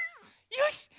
よし！